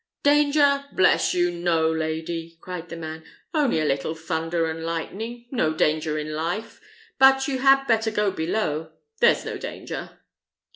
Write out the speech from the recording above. "Danger! bless you, no, lady," cried the man; "only a little thunder and lightning; no danger in life. But you had better go below; there's no danger."